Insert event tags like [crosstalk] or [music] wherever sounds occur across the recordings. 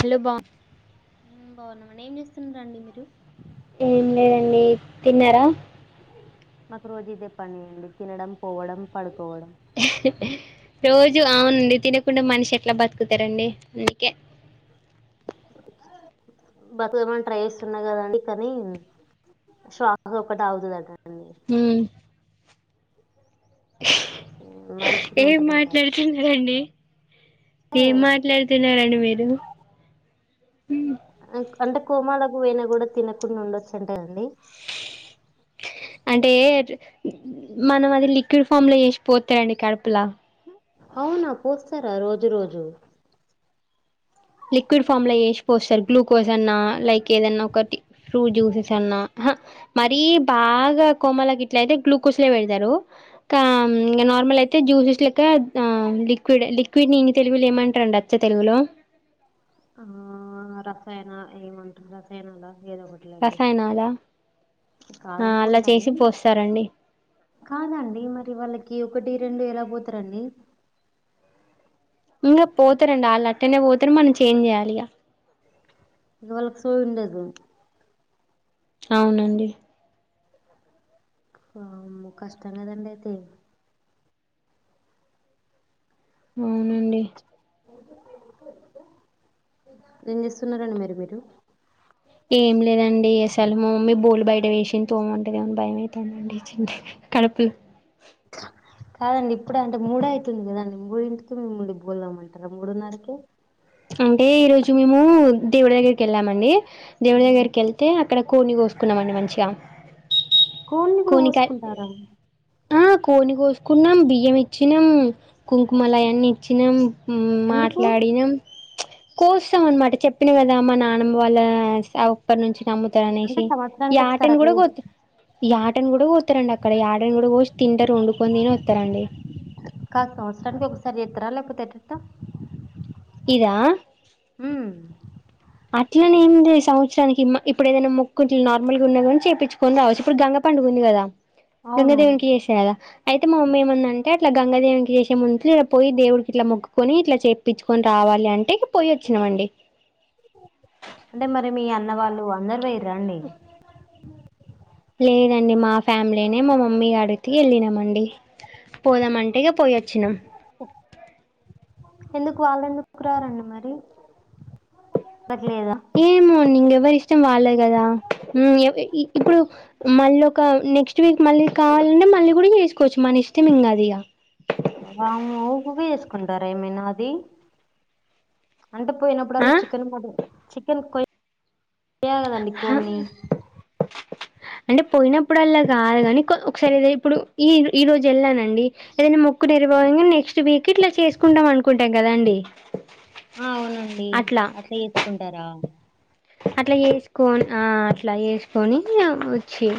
Hello బా మ్ బాగున్నమండి ఏం చేస్తున్నారండి మీరు ఏం లేదండి తిన్నరా? మాకు రోజు ఇదే పని అండి తినడం, పోవడం, పడు రోజు అవునండి తినకుండా మనిషి ఎట్ల బతుకుతరండి అందుకే బతుకమ్మని ట్రై చేస్తున్నా కదండి కనీ శ్వాస ఒకటి అగుతదట ఉమ్ ఓ ఏం మాట్లాడ్తున్నరండి ఏం మాట్లాడుతున్నరండి మీర్ ఇవు అంటే కోమలోకిపోయిన కూడా తినకుండా ఉండొచ్చు అంట కదండి అంటే మనం అది లిక్విడ్ ఫామ్ లో వేసిపోతారండి కడుపులో అవునా పోస్తారా రోజు రోజు లిక్విడ్ ఫామ్లా వేసిపోస్తారు గ్లూకోజన్న లైక్ ఏదన్నా ఒకటి ఫ్రూట్ జ్యూసెస్ అన్నా హా మరీ బాగా గా కోమాలోగిట్లయితే గ్లూకోస్లే పెడతారు కా నార్మలైతే జ్యూసెస్ లెక్క అవున్ లిక్విడ్ లిక్విడ్ని తెలుగులో ఏమంటారండి అచ్చ తెలుగులో ఆ రసాయన ఏమంటారు రసాయనాల ఏదో ఒకట్లేండి రసాయనాల ఆ అలా చేసి కాదనుకుంటాండి పోస్తారండి కాదండి మరి వాళ్ళకి ఒకటి రెండు ఎలా బోతారండి ఇంగా పోతారండి ఆల్ అట్టెనే పోతారు మనం చేంజ్ చేయాలిగా ఇది వాళ్ళకు సూ ఉండదు అవునండి వామ్మో కష్టం కదండైతే అవునండి ఏం చేస్తున్నారండి మీరు మీరు ఏం లేదండి అసలు మా మమ్మీ బోకులు బయట వేసు తోము అంటాదేమోనని బయమైతదండీ కడుపు కాదండి ఇప్పుడంటే మూడైతుంది కదండి మూడింటికి మిమ్ముల్ని బోన్లుతోమంటారా మూడున్నరకే అంటే ఈ రోజు మేము దేవుడు దగ్గరికి వెళ్ళామండి దేవుడి దగ్గరకెళ్తే అక్కడ కోడ్ని కోసుకున్నామండి మంచిగా కోడ్నీ కూడా కోనికాయ కోసుకుంటారా ఆ కోడ్ని కోసుకున్నాం బియ్యమిచ్చినం కుంకుమలయన్ని ఇచ్చినం మ్మ్ ఎందుకు మాట్లాడినం కోస్తామన్మట చెప్పినా కదా మా నానమ్మ వాళ్ళ సావుపర్ నుంచి నమ్ముత అంటే అనేసి సంవత్సరానికి ఒకసారి యాటన్ అట్లా కూడా చే- గోత్తాం యాటన్ కూడా కోత్తారండి అక్కడ యాటన్ కూడా కోసి తింటారు వండుకొని తినోత్తారండీ కాద్ సంవత్సరానికి ఒకసారి చేస్తరా లేకపోతే ఎటెట్ట ఇదా అట్లనేంలే సంవత్సరానికి మ ఇప్పుడు ఏదైనా మొక్కు ఇట్లు నార్మల్గా ఉన్నా కాని చేపిచ్చుకొని రావచ్చు ఇప్పుడు గంగ పండుగా ఉంది ఉందిగదా నిన్న అవును దేవునికి చేసిన గదా అయితే మామమ్మీ ఏమందంటే ఇట్లా గంగాదేవినికి చేసే ముందు పోయి దేవుడికి ఇట్లా మొక్కుకొని ఇట్లా చేపిచ్చుకొని రా వాలి అంటే ఇగా పోయొచ్చినామండి అంటే మరి మీ అన్న వాళ్ళు అందరూ పోయిర్రా అండి లేదండి మా ఫ్యామిలీనే మా మమ్మీ గాడికి వెళ్ళినామండి పోదామంటేనే పోయొచ్చినం ఎందుకు వాళ్లేందుకు రారండి మరి లేదా ఏమో అండి ఇంగెవరి ఇష్టం వాళ్ళది గదా మ్మ్ ఏ ఈ ఇప్పుడు మళ్ళొక నెక్స్ట్ వీక్ మళ్ళీ కాళ్ళు మళ్ళీ కూడా వేసుకోవచ్చు మన ఇష్టం ఇంగా అధిగా వామ్మో ఉకూకే చేసుకుంటారా ఏమైనా అది అంటే పోయినప్పుడల్లా చికెన్ ఆ కోడి చికెన్ కోయ్ కోయాలా కదండి కోడ్ని అంటే పోయినపుడల్లా కాదు గాని కో ఒకసారి ఏద ఇప్పుడు ఈ ఈరోజు ఎళ్ళానండి ఏదైనా మో కుదిరివగానే నెక్స్ట్ వీక్ ఇట్లా చేసుకుంటాం అనుకుంటాం కాదండి ఆ అవునండి అట్లా చేసుకుంటారా అట్లా చేసుకోన ఆ అట్లా ఏసుకొని వచ్చి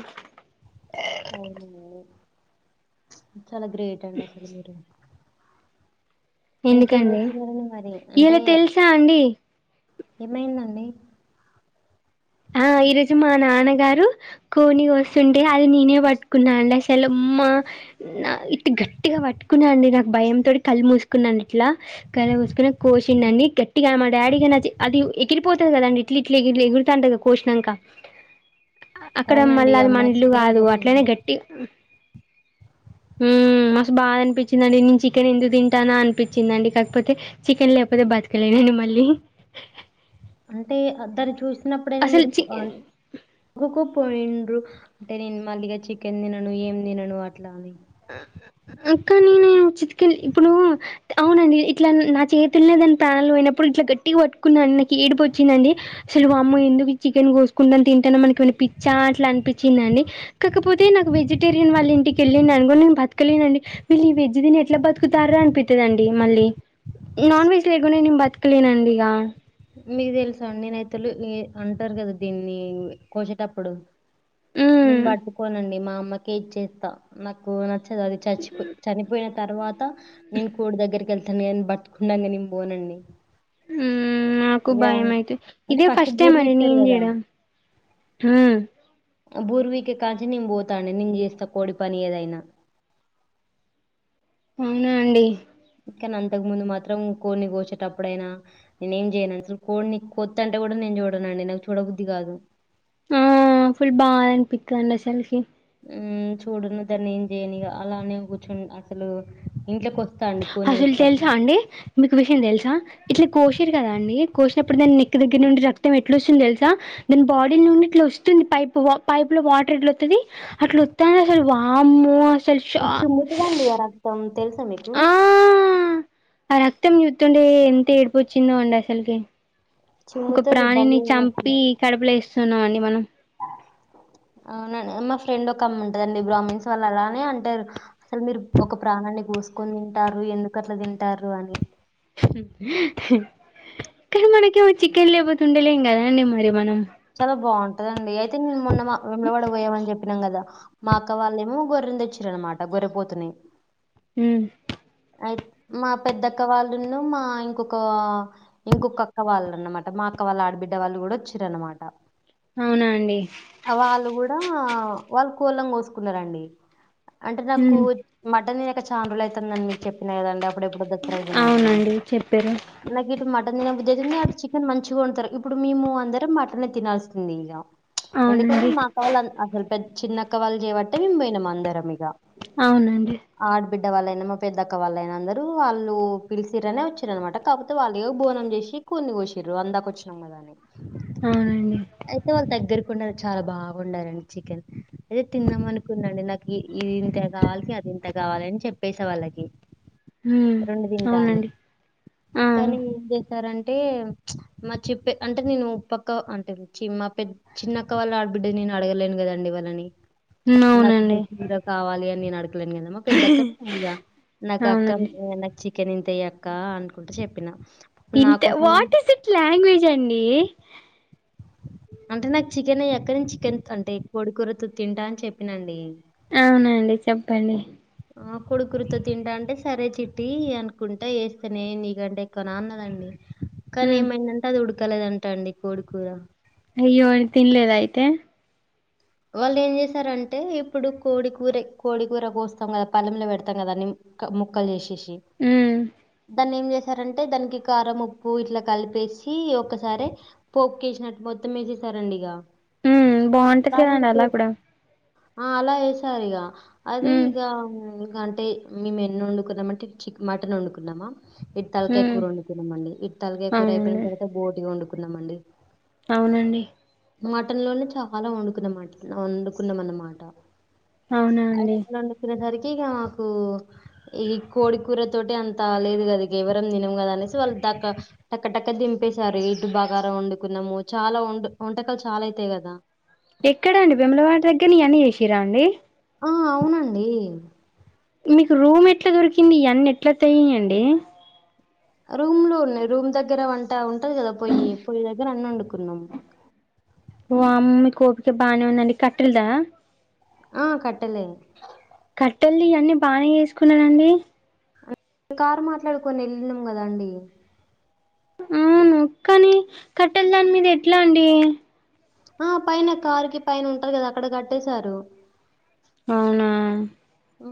అవున చాలా గ్రేట్ అండి అసలు మీరు ఇంకేం ఎందుకండి చేస్తున్నారండి మరి? అంటే ఇలా తెలుసాండి ఏమైందండి ఆ [inaudible] ఈరోజు మా నాన్నగారు కోడ్ని కోస్తుంటే అది నేనే పట్టుకున్నా అండి అసలు అమ్మా నా ఇట్ట గట్టిగా పట్టుకున్నా అండి నాకు భయం తోటి కళ్ళు మూసుకున్నాను ఇట్లా కళ్ళు మూసుకుని కోసిండండి గట్టిగా మా డాడీగా అది ఎగిరిపోతాది కదండి ఇట్లిట్లా ఎగిరి ఎగురుతాంట కోసినాంక అక్కడ అవునండి. మళ్ళా అది అమ్మ మన ఇల్లు ఘోరంగా కాదు పాపం అట్లనే గట్టి ఉమ్మ్ [inaudible] మ్మ్ మస్తు బాధ అనిపిచిందండి నేను చికెన్ ఎందుకు తింటానో అనిపిచిందండి కాకపోతే చికెన్ లేకపోతే బతకలేనం తిను మళ్లీ అంటే దాన్ని చూసినప్పుడైనా మీరు చి అం కూకూ పోయిండ్రు అంటే నేను మళ్ళీగా చికెన్ తినను ఏం తినను అట్లా అని ఆ కానీ చిత్కేన్ ఇప్పుడు అవునండి ఇట్లా నా చేతుల దాని ప్రాణాలు పోయిప్పుడు ఇ గట్టిగ పట్టు కున్నాండి నాకు ఏడుపు వచ్చిందండి అసలు వామ్మో ఎందుకు ఈ చికెన్ కోసుకోని తింటాను మనకి ఏమన్నా పిచ్చా అట్ల అని పిచ్చిందండి కాకపోతే నాకు వెజిటేరియన్ వాళ్ళ ఇంటికేళ్ళిన నేను బతకలేనండి వీళ్ళు ఈ వెజ్ తిని ఎట్లా బతుకుతారా అనిపిత్తాదండి మళ్ళీ నాన్ వెజ్ లేకుండా నేను బతకలేనండి ఇగ మీకు తెలుసాండి నైతులు అంటారు కదా దీన్ని కోసేటప్పుడు నేను మ్మ్ పట్టుకోనండి మా అమ్మకే ఇచ్చేస్తా నాకు న చ్చదు అది చచ్చిపో చపోయిన తర్వాత నేను కోడి దగ్గరికేళ్తాను గని బట్టుకున్నాంక నేను పోనండి ఉమ్మ్ నాకు ఇగ భయమైతే అంటే ఇదే ఫస్ట్ టైమ్ బూరు అండి పీకుతారు నేను కదా! చేయడం ఉమ్మ్ బూర్వీకే కాంచే నేను పోతాడి నేను చేస్తా కోడి పని ఏదైనా [inaudible] అవునా అండి కానీ అంతకు ముందు మాత్రం కోడిని కోసేటప్పుడుైనా నేను ఏం చేయను అసలు కోడిని కొత్తంటే కూడా నే చూడనండి నాకు చూడబుద్ధి కాదు ఆ ఫుల్ బాధనిపిత్తాదండి అసలుకి ఉమ్మ్ చూడును దన్ని ఏం చేయను ఇగ అలానే కూర్చుం అసలు ఇంట్లోకి వ అసలు తెలుసాండి మీకు విషయం తెలుసా ఇట్లా కోశిరు కదా అండి కోశి నప్పుడు దాని నెక్ దగ్గర నుండి రక్తం ఎట్ల వస్తుంది తెలుసా దాని బాడీ నుండి ఇట్లా వస్తుంది పై పైప్లో వాటర్ ఎట్లవత్తాది అట్ల వత్తాంది అసలు వామ్మో అస చిముతదండి ఆ రక్తం తెలుసా మీకు ఆ ఆ రక్తం చూతుంటే ఎంత ఏడుపు వచ్చిందో అండి అసలుకి ఒక చిమ్ముతుంది ప్రాణిని భలే చంపి కడుపులో ఏస్తున్నాం అండి మనం [inaudible] అవునండి మా ఫ్రెండ్ ఒక అమే ఉంటదండి బ్రాహ్మన్స్ వాళ్ళు అలానే అంటరు అసలు మీరు ఒక ప్రాణాని కోసుకొని తింటారు ఎందుకట్లా తింటారు అని [inaudible] కానీ మనక ఏమో చికెన్ లేపోతుండేలేం కదండి మరి మనం చాలా బాగుంటదండి అయితే నేను మొన్న వేములవాడ పోయామని చెప్పినం కదా మా అక్క వాళ్ళేమో గొర్రె తెచ్చిరనమాట గొర్రెపోతుని ఉమ్ అయి మా పెద్దక్క వాళ్ళును మా ఇంకొక ఇంకొక అక్క వాళ్ళున్నమాట మా అక్క వాళ్ళ ఆడబిడ్డ వాళ్ళు కూడా వచ్చారునమాట అవునా అండి వాళ్ళు కూడా వాళ్ళు కోళ్లను కోసుకున్నారంండి అంటే నాకు ఉమ్ మటన్నుక చాలా రోజులు అవుతుంది అవుతుందని మీకు చెప్పినాయి కదండి అప్పుడెప్పుడో తగిలాను అవునండి చెప్పారు నాకెప్పుడూ మటన్ తినబుద్ధి అయితుంది అడా చికెన్ మంచి గా వండుతారు ఇప్పుడు మీము అందర మటన్ తినాల్సింది ఇక ఎందుకంటే అవునండి మా అక్క వాళ్ళు అసలు ద్ద చిన్నక్క వాళ్లు చేయబట్టే మేమ్ పోయినాం అందరం ఇక అవునండి వాళ్ళు ఎన్ పెద్దక్క వాళ్ళుయినందరూ వాళ్ళు పిలిసిరనే వచ్చారునమాట కాకపోతే వాళ్ళు బోనం చేసి కొని కోసారు రూ అందాక వచ్చినాం కదా అని అవునండి అయితే వాళ్ళ దగ్గరకు వండారు చాలా బా వండరండి చికెన్ అయితే తిన్నామ అనుకున్నానండి నాకు ఇది ఇంత కావాలి అది ఇంత కావాలి అని చెప్పేసే వాళ్ళకి ఉమ్ రెండు తింటా అని అవునండి ఆ, కానీ ఏం చేశారంటే మా చెప్పే అంటే నేను పక్క అంటే చి మాపెద్ద చిన్నక్క వాళ్ళు ఆడబిడ్డని నేను అడగలేను కదండి వాళ్ళని ఉమ్, నాకు అవునండి కూర కావాలి అని నేను అడగలేను కదమ్మా పెద్దక్కనీ అడిగా నాకు అక్క అవునండి నాకు చికెన్ ఇంతయ అక్క అనుకుంటా చెప్పినా ఇంత వాట్ ఇస్ ఇట్ లాంగ్వేజ్ అండి అంటే నాకు చికెన్ ఏయి అక్క నేన్ చికెన్ అంటే కోడికూరతో తింటా అని చెప్పినండి అవునండి చెప్పండి ఆ కోడికూరతో తింటా అంటే సరే చిట్టి అనుకుంటే వేస్తేనే నీకంటే ఎక్కువ నాన్నదండి కానీ ఉమ్, ఏమైందంటే అది ఉడకలేదంటా అండి కోడి కూర అయ్యో మరి తినలేదా అయితే వాళ్ళు ఏం చేసారంటే ఇప్పుడు కోడికూర కోడికూర కోస్తాం కదా పళ్లెంలో పెడతాం కదా క్ ముక్కలు చేసేసి ఉమ్, దాన్ని ఏం చే టే దానికి కారం ఉప్పు ఇట్లా కలిపేసి ఒకసారి పోప్పుకేసినట్టు మొత్తం వే సరండి ఇక ఉమ్, బాగుంటది దాన్ని కదండి అలా ఉడకబెట్- కూడా ఆ అలా ఏసారు ఇగ అది ఉమ్, ఇక అంటే మేము ఎన్నుకున్నామంటే అంటే చికె మటన్ వండుకుంనమ ఇటు తలకాయ ఉమ్, కూర వండుకున్నాంమండి ఇటు తలకాయ కూర అయిపోయిన అవునండి తర్వాత బోటి వండుకున్నాంమండి అవునండి మటన్ లోనే చాలా వండుకున్నన్నమాట వండుకున్నాం అన్నమాట అవునా అయి అండి రెండు వండుకున్నసరికి ఇక మాకు ఈ కోడికూర తోటి అంతాలేదు కదా ఇక ఎవరం తినంకదా అనేసి వాళ్ళు ద టక్క టక్క దిం పేశారు ఇడ్టు బాగార వండుకున్నాము చాలా వం వంటకాలు చాలా అయితాయి కదా ఎక్కడండి వేములవాడ దగ్గర ఈ అన్ని చేసిరా అండి ఆ అవునండి మీకు రూమ్ ఎట్ల దొరికింది ఇయన్ని ఎట్ల ఒత్యయండి రూమ్ లో ఉన్నాయి రూమ్ దగ్గర వంట ఉంటది కదా పొయ్యి పొయ్యి దగ్గర అన్ని వండుకున్నాము ఓ అమ్మీ కోపిక బానే ఉందండి కట్టెలదా ఆ కట్టలదే కట్టెలి ఇయన్నీ బానే చేసుకున్నానండి కారు మాట్లాడుకొని వెళ్ళినం కదండి ఊను కాని కట్టెల దాని మీద ఎట్లా అండి ఆ పైన కారుకి పైన ఉంటది కదా అక్కడ కట్టేశారు అవునా ఊ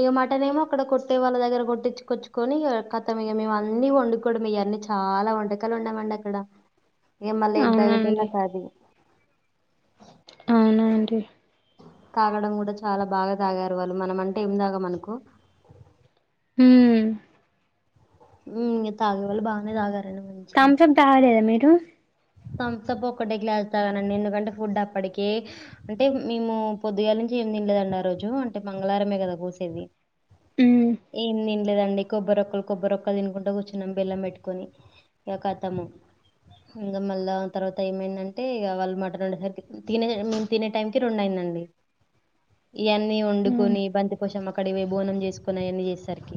ఇక మటన్ ఏమో అక్కడ కొట్టే వాళ్ళ దగ్గర కొట్టిచ్చుకొచ్చుకొని ఇగ కతం ఇగ మేము అన్ని వండుకోవడం ఇయ వన్నీ చాలా వంటకాలు ఉండమండి అక్కడ ఇ మళ్ళీ అవునా తాగేటలా అండి కాది అవున అండి తాగడం కూడా చాలా బాగా తాగారు వాళ్ళు మనమంటే ఏం తాగ మనకొ ఉ ఇ తాగే వాళ్లు బానే తాగరు థంసప్ తాలేదా మీరు తంసపు ఒక్కటేకి గ్లాస్ లేస్తానండి ఎందుకంటే ఫుడ్ అప్పటికి అంటే మేము పొద్దుగాల నుంచి ఏ తినలేదండి ఆరోజు అంటే మంగళారమే కదా కోసేది ఉమ్ ఏం ని లేదండి కొబ్బరిరొక్కలు కొబ్బరిరొక్క తినుకుంటా కూర్చున్నాం బెల్లం పెట్కొని కథము ఇంకా మళ్ళా తర్వాత ఏమైందంటే ఇగ వాళ్ళు మటన్ వండేసరికి తినే మేము తినే టైం కి రెండు అయిందండి ఇయన్నీ ఉమ్ వండుకొని బంతి కోశం అక్కడికి పోయి బోనం చేసుకొని అవన్నీ చేసేసరికి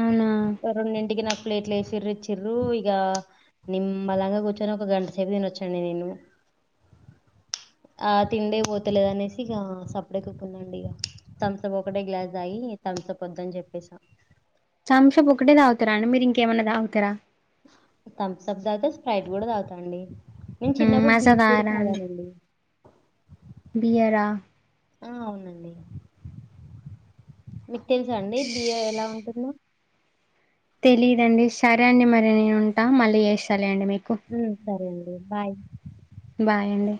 అవునా రెండి ఇంటికి నాకు ప్లేట్లు వేసిరు ఇచ్చిర్రు ఇగ నిమ్మల్లంగా కూర్చొని ఒక గంట సేపు తినొచ్చండి నేను ఆ తిండే పోతలేదనేసి ఇగ సప్పుడ ఎక్కుదండి ఇక థంసప్ ఒకటే గ్లాస్ దాగి థంసప్ ఒద్దని చెప్పేసా తంషాప్ ఒకటే తాగుతారా అండి మీరు ఇంకేమైన్నా తాగుతారా థమ్స్ అప్ తాగితే స్ప్రైట్ కూడా తాగుతా అండి నేను ఉమ్ చిన్నప్పుడు మజా బీట్ కూడా తాగరా అండి తాగానండి బియరా ఆ అవునండి మీకు తెలుసా అండి బియ్య ఎలా ఉంటుందో తెలీదండి సరే అండి మరి నేను ఉంటా మళ్ళీ చేస్తాల అండి మీకు ఉ సరే అండి బాయ్ బాయండి